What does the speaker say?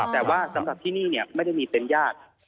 แต่ว่าสำหรับที่นี่ไม่ได้มีเป็นญาติ